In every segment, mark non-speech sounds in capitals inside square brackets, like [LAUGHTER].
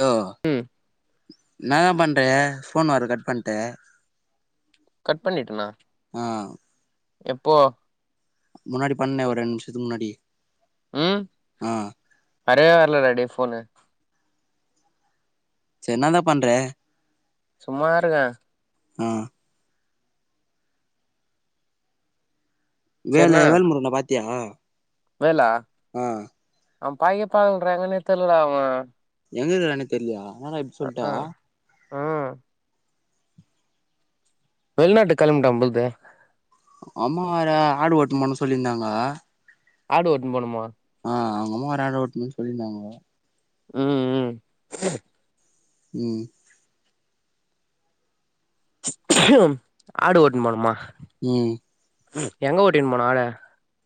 hello ம் என்னா தா பண்ற ஃபோன் ஒயர கட் பண்ட்டு கட் பண்ணிட்டனா ஆ எப்போ முன்னாடி பண்ணே ஒரு ரெண்டு நிமிஷத்துக்கு முன்னாடி ஆ அரவே வர்ல டா டேய் ஃபோனு சேர் எனா தா பண்ற சும்மாதா இருக்க ஆ செரினா வேளே வேல்முருகனா பாத்தியா வேலா ஆ அவ பைய பாக்கல எங்கன்னே தெர்ல டா அவென் எங்கங்குறனே தெர்லாயா என்னடா இப்டி சொல்ட்டா ஆ ஆ வெள்நாட்டுக்கு கிளம்பிட பொல்து அம்மா வேற ஆடு ஓட்டுனு போனோ சொல்லியிருந்தாங்க ஆடு ஓட்டுனு போணுமா ஆ அவங்க அம்மா வேற ஆட ஓட்டணும்ன்னு சொல்லிருந்தாங்க ம் ம் ஆடு ஓட்டுனு போணுமா ம் எங்க ஓட்டின்னு போனு ஆட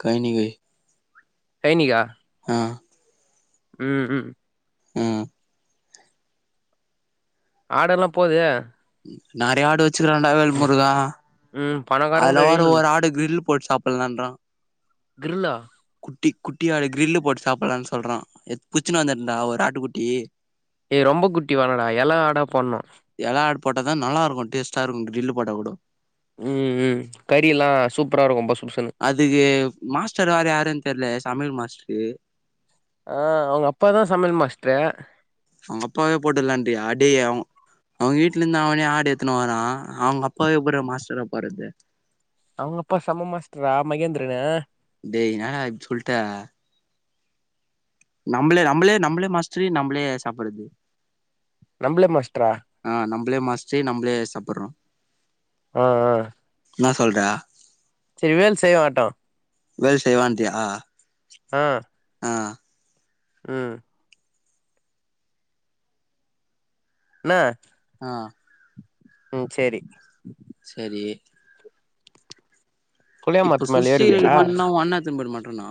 கைனிகை கைனிகா ஆ ம் ம் ம் ஆடெல்லா போது நெறையா ஆடு வச் ச்சுக்குராண்டா வேல் முருகா ம் அதுல பணக்காரங்கடா வர டேய் ஒரு ஆடு கிர்ல் போட்டு சாப்புட்லான்றா கிர்ல்லா டே குட்டி ஆடு கிரில்லு போட்டு சாப்புல்லான் சொல்றா எ புட்ச்சுனு வந்துர்டா ஒரு ஆட்டு குட்டி ஏ ரொம்ப குட்டி வேணான்டா எல ஆடா போட்ணு எல ஆடு போட்ட தா நல்லா இருக்கு டேஸ்ட்டா இருக்கு கிர்ல் போட்டா கூட ம் ம் கறியெல்லா சூப்பரா இருக்கு பொசு புசுன்னு அதுக்கு மாஸ்டர் வேற யாருன்னு தெர்லயே சமையல் மாஸ்ட்ரு ஆ அவுங்க அப்பா தா சமையல் மாஸ்ட்ரு அவுங்க அப்பாவே போட்ருலான்றியா டே அவுங்க அவுங்க வீட்லந்து அவனே ஆடு எடுத்துன்னு வரா அவுங்க அப்பாவே எப்புட்ற மாஸ்டரா போட்றது அவுங்க அப்பா செம்ம மாஸ்ட்ருடா மகேந்திரனு டேய் என்னடா இப்டி சொல்ட்ட நம்பளே நம்பளே நம்பளே மாஸ்ட்ரு நம்பளே சாப்புறது நம்பளே மாஸ்ட்ரா அ நம்பளே மாஸ்ட்ரு நம்பளே சாப்புட்றோ அ ஆ என்னா சொல்ற செரி வேல் செய்ய வர்டோ வேல் செய்வான்டியா அ அ ம் இன்ன அ ம் சேரி செரி புளிய இப்ப மரத்து மேல சுசி ரெடி ஏறுவியா பண்ணா ஓ அண்ணே எட்த்துனு போய்ட மாட்டானா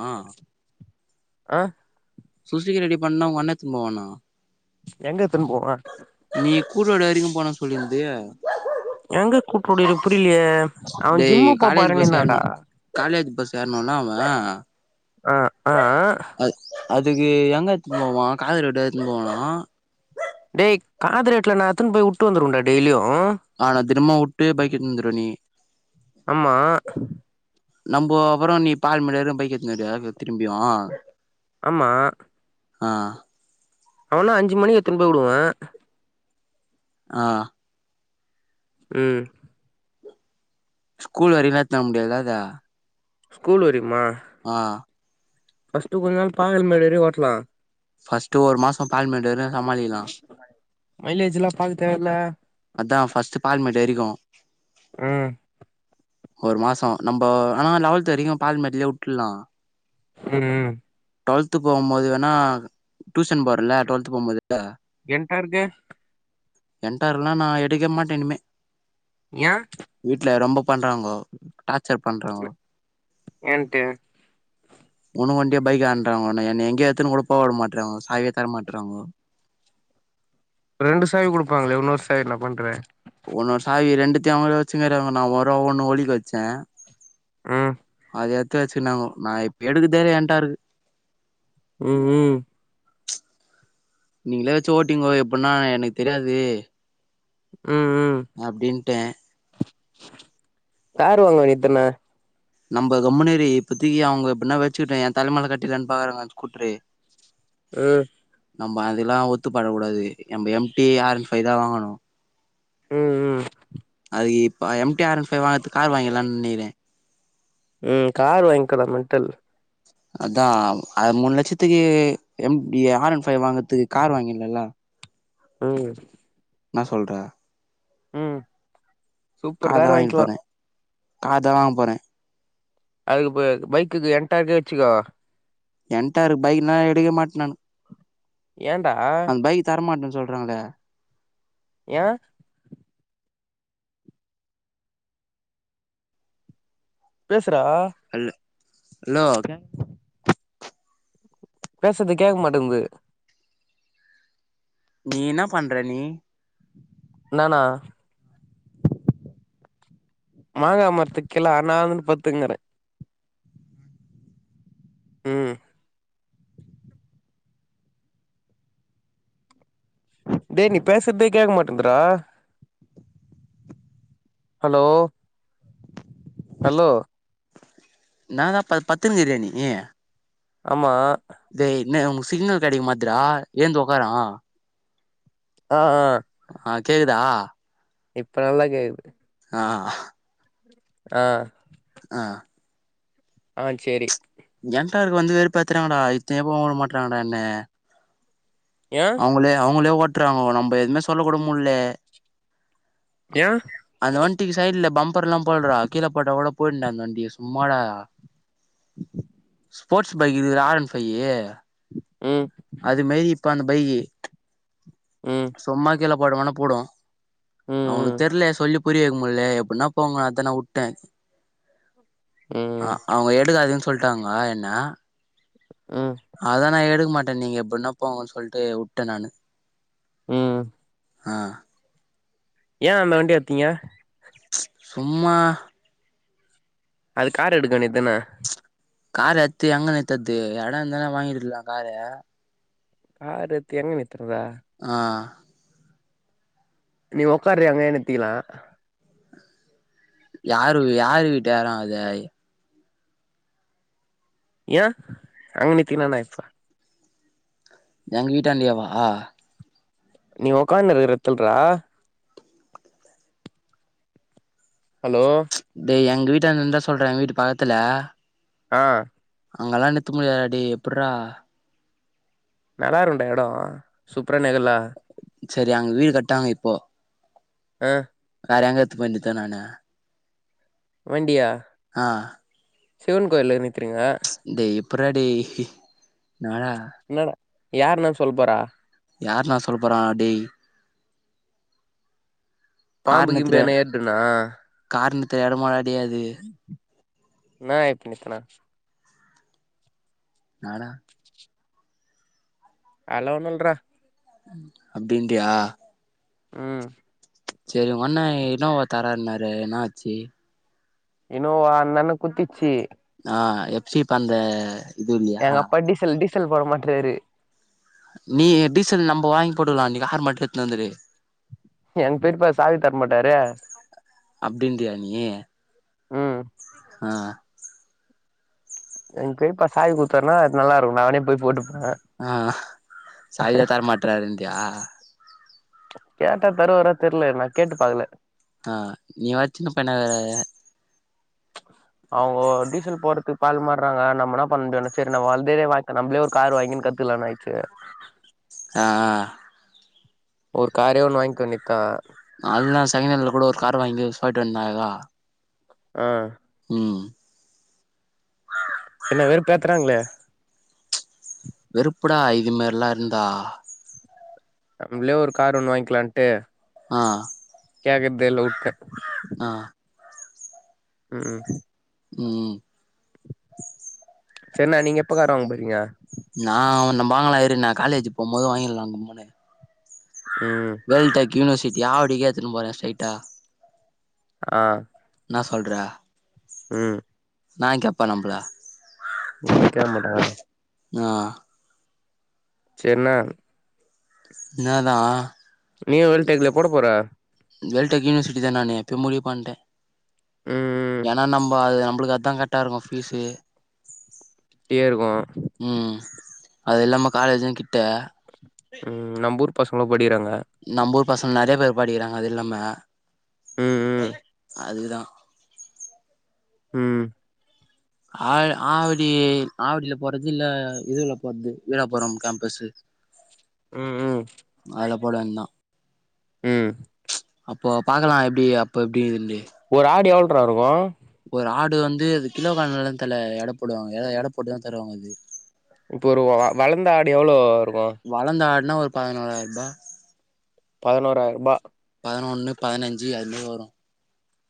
அ சுசிகி ரெடி பண்ணா ஒங்க அண்ணே எட்த்துனு போவானா எங்க எத்துன் போவா நீ கூடலூர் வரைக்கு போனுன் சொல்லி இருந்தது எங்க கூப்டுடிரு புரியிலியே அவன் டேய் ஜிம்மு காலேஜ் பஸ் ஏறனு போப்போறேனிங்ணான்டா காலேஜ் பஸ் ஏர்னுன்ன அவன் ஆ அ அ அது அதுக்கு எங்க எத்துனு போவா காய்கறிகள் வெட்ட எத்துனு போவானா டேய் காதரேட்ல நா எத்துன் போய் உட்டு வந்துருவேன்டா டெய்லியு அ தினமு வுட்டு பைக் எத்துனு வந்துருவ நீ ஆமா நம்போ அப்பறோ நீ பால்மேடு வரையு பைக் எத்துனு வருவியா திரும்பியு ஆமா அ அ அவன அஞ்சு மணி எத்துன் போய் உடுவே அ ம் கூல் வரையுல எத்துனு வர முடியாதுல அத ஸ்கூல் வரையுமா அ ஃபஸ்ட்டு கொஞ்சநாள் பால் இந்மேறியே ஓட்லா ஃபஸ்ட்டு ஒரு மாச பால்மேடேற்னா சமாளிக்லா மைலேஜ்லா பாக்கு தேவல்ல அதான் ஃபஸ்ட்டு பால்மேடேரிக்கு ம் ஒரு மாசோ நம்போ ஆனா லெவல்த் வரைக்கு பால்மேட்லயே வுட்ருல்லா ம் டு்வல்த்து போம்போது வேணா டூஷன் போறல்ல டு்வல்த்து போம்போது என்ட்டருக்கே என்டார்குணா நா எடுக்கவே மாட்டே இனிமே ஏ வீட்ல ரொம்ப பண்றாங்கோ டார்ச்சர் பண்றாங்கோ ஏன்ட்டு உனுக்கு ஒண்டிய பைக் ஆன்றாங்கோ என்னய எங்கயு எடுத்துன்னு கூட போவுட மாட்டறாங்கோ சாவியே தர மாட்டேறாங்கோ ரெண்டு சாவி் குடுப்பாங்களே ஒன்னொரு சாவி என்ன பண்ற ஒன்னோறு சாவி ரெண்டுத்தியு அவங்களே வச்சு கிறாங்கோ நா ஒரு ஒண்ணு ஒலிக்கு வச்சே ம் அத எத்து வச்சுனாங்கோ நா இப்ப எடுக்கறதேல்ல ஏன்டாருக்கு ம் ம் நீங்களே வச்சு ஓட்டீங்கோ எப்பன்னா எனக்கு தெரியாது ம் ம் அப்டின்ட்டே காரு வாங்கவேண்டியதான நம்ப கம்முனுரு இப்பத்திக்கி அவுங்க எப்பின்னா வச்சுக்கிட்டோ எ தலமேல கட்டிலான்னு பாக்கறாங்க அந்த ஸ்கூட்டுரு ம் நம்ப அதெல்லா ஒத்துப்படக்கூடாது நம்ப M T R one five தா வாங்கணு ம் ம் அதுகு இப்ப M T R one five வாங்கறதுக்கு கார் வாங்கிலானு நினிகிறே ம் கார் வாங்கிகுடா மென்டல் அதா அந்த மூணு லட்சத்துக்கு M T R one five வாங்கறதுக்கு கார் வாங்கில்லால ம் என்னா சொல்ற ம் சூப்பர் கார் தா வாங்கிக வாங்கிக்கலா போறே கார் தா வாங்க போறே அதுக்கு இப்ப பைக்குக்கு எண் [UNINTELLIGIBLE] வச்சுக்கோ என்டாரு பைக்ன்னா எடுக்கவே மாட்டேனான்னு ஏன்டா அந்த பைக்கு தரமாட்டேன்னு சொல்றாங்க ஏ பேசுறா ஹல் ஹலோ பேசுறது கேக்க மாட்டேங்குது நீ இன்னா பண்ற நீ நானா மாங்கா மரத்துக்கீல அன்னாந்துடு பத்துங்கீற ம் டேய் நீ பேசறதே கேக்க மாட்டேந்துரா ஹலோ ஹலோ இன்னாதா ப பத்தூனு கீரியா நீ ஆமா டேய் என்ன உனக்கு சிக்னல் கெடைக்கமாட்டுதுரா ஏந்து ஒக்காரா ஆ ஆ ஆ கேக்குதா இப்ப நல்லா கேக்குது ஆ ஆஹ் ஆஹ் ஆ செரி என்டா இருக்கு வந்து வேறு பாத்துறாங்களடா எத்துனே போக வுட மாட்றாங்கடா என்ன ஏ அவுங்களே அவுங்களே ஓட்றாங்க நம்ம எதுவுமே சொல்ல கூட முட்ல ஏ அந்த வண்டிக்கு சைடுல பம்பர்லா போடுறா கீழே பட்டா கூட போயிடோடா அந்த வண்டி சும்மாடா ஸ்போர்ட்ஸு பைக்குதுல ஆர் ஒண் ஃபையி ம் அது மேரி இப்ப அந்த பைகு ம் சும்மா கீழ போடுவோனா போடோ ம் அவங்குளுக்கு ம் தெர்லே சொல்லி புரிய வெய்க்க முட்ல எப்டீன்னா போங்க அதா நா வுட்டே ஆ ம் அவுங்க எடுக்காதன்னு சொல்ட்டாங்க என்ன ம் அதா நா எடுக்க மாட்டே நீங்க எப்டீன்னா போங்கன்னு சொல்ட்டு வுட்டே நானு உம் ஆ ஏ அந்த வண்டிய எத்தீங்க சும்மா அது கார் எடுக்க வேண்டிய தானே காரு எத்து எங்க நித்தர்து எடோ இர்ந்துனா வாங்கிருக்கலா காரு காரு எத்து எங்க நித்துறதா ஆஹ் நீ ஒக்காரயே அங்கயே நித்திக்கலா யாரு யாரு வீட்டு யெடோ அது ஏ அங்க நித்திக்குனானா யிப்போ எங்க வீட்டாண்டியேவா நீ ஒக்காந் இருக்க எருத்தல்ரா ஹலோ டேய் எங்க வீட்டான்ட இருந்தா சொல்ற எங்க வீட்டு பக்கத்துல ஆ அங்கல்லா நிறுத்த முடியாதுடா டேய் எப்பர்றா நல்லா இருக்குண்டா எடோ சூப்பர நெகலா சேரி அங்க வீடு கட்டாங்க இப்போ அ வேற எங்க எத்து போய் நிருத்த நானு வண்டியா ஆ சிவன் கோயில்ல நிர்திருங்க டேய் எப்பிறா டேய் எனடா என்னா டா யார் என்ன சொல்ப் போரா யார்னா சொல்ல போறா டேய் பாம்பு கார் கீம்பு நிறுத்துற எனா ஏர்டுன்னா கார் நிருத்த எடமாடா டேய் அது நா எப்ப நித்தனா நாடா அதுலா ஒன்னுல்றா அப்டின்டுயா ம் சேரி உங்கண்ணா இனோவா தரேன்னாரே என்னாச்சி இனோவா அந்த அண்ண‌ குத்திச்சு ஆ எப் சிப் அந்த எங்க அப்பா டீசல் டீசல் போட மாட்றாரு நீ டீசல் நம்ம வாங்கி போட்டுகலா நீ கார் மட்டு எடுத்துனு வந்துரு எங் பெரிப்பா சாவி தரமாட்டாரே அப்டின்றியா நீ ம் ஆ எங் பெரிப்பா சாவி குடுத்தார்னா அது நல்லாருக்கு நானே போய் போட்டுப ஆ சாவிய தர மாட்றாருன்றியா கேட்டா தருவரா தெர்ல நா கேட்டு பாக்கல ஆ நீ வச்சுனு பண அவுங்கோ டீசல் போறதுக் பால் மார்றாங்க நம்ம எனா பண்து சேரி நம்ம வந்ததே வாங் நம்ளே ஒரு காரு வாங்கினு கத்துலானு ஆய்சு ஆ ஒரு காரே ஒன்னு வாங்கிக்க வேனித்தா அதுதா செகன்னல்ல கூட ஒரு கார் வாங்கி சொல்டு வந்தா [UNINTELLIGIBLE] ஆ ம் என்ன வெறுப்பேத்துறாங்ளே வெறுப்புடா இது மாரிலா இருந்தா நம்ளே ஒரு கார் ஒண்ணு வாங்கிலான்ட்டு ஆ கேக்ரத்தே இல்ல உட்டே ஆ ம் ம் செர்ண்ண நீங்க எப்ப கார் வாங்க போறீங்க நா ஒன்னு வாங்கலா இரு நா காலேஜீ போம் போது வாங்கில்லா நம் மோனு ம் வேல்டாக்கீ யுனிவர்சிட்டி ஆவடிக்கே திரும்போரே ஸ்டைட்டா ஆ இன்நா சொல்ற ம் நா கேப்பா நம்பள எனகே மடாடு ஆ செர்ன்ன என்னதா நீயு வேல் டேக்லயா போட போற வேல்டாக் யுனிவர்சிட்டி தா நானு எப்யோ முடிவ் பண்டே ம் ம் ஏனா நம்ப அது நம்ப்ளுக்கு அதா கரெட்டா இருக்கு பீஸு அப்டியே இருக்கு ம் அது இல்லாம காலேஜு கிட்ட ம் நம்பூர் பசங்களு படிக்றாங்க நம்பூர் பசங்க நெறைய பேர் படிக்கிறாங்க அது இல்லாம ம் அதுக்தா ம் ஆ ஆவடி ஆவடில போறதுல்ல இதுல போறது வீராபுரம் கேம்பஸு ம் ம் அதுல போட வேண்தா ம் அப்போ பாக்கலா எப்டி அப்ப எப்டி ன்னுது ஒரு ஆடு எவ்ள்ட்ரா இருக்கு ஒரு ஆடு வந்து அது கிலோ கணக்கு தல எடப்போடுவாங்க எடப்போட்டுதா தருவாங்க அது இப்போ ஒரு வளந்த ஆடு எவ்ளோ இருகு வளந்த ஆடுனா ஒரு பதினோறாயிர்பா பதினோறாயிர்பா பதினொன்னு பதினஞ்சு அதுமேரி வரு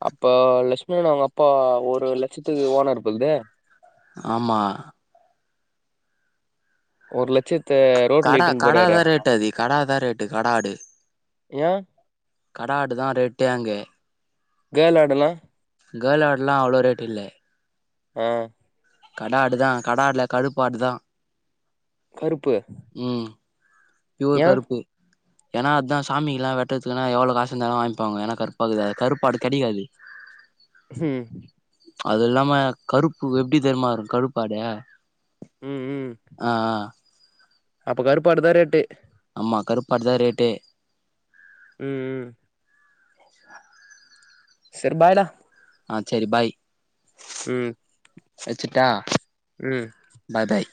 அப்ப லஷ்மனன் அவுங்க அப்பா ஒரு லட்ச்த்துக்கு ஓனர்ப்போல்தே ஆமா ஒரு லச்சத்து கடா கடா தா ரேட்டு அதி கடா தா ரேட்டு கடா ஆடு ஏ கடா ஆடு தா ரேட்டே அங்கே கேள் ஆடுலா கேள் ஆடுலா அவ்ளோ ரேட் இல்ல ஆ கடா ஆடு தா கடா ஆடுல கடுப்பாடு தா கருப்பு ம் ப்யூர் ஏ கருப்பு ஏனா அத்தான் சாமிலா வெட்றதுக்குன்னா எவ்ளோ காசுந்தாலு வாங்க்ப்பாங்க ஏனா கருப்பாக்குது கருப்பாடு கெடிக்காது ம் அதுல்லாம கருப்பு எப்டி தெர்மாருக்கும் கருப்பாடு ஆ ம் ம் ஆ அப்ப கருப்பாடு தா ரேட்டு அம்மா கருப்பாடு தா ரேட்டே ம் ம் செர் பாய்டா ஆ செரி பாய் ம் வெச்சிட்டா ம் பாய் பாய்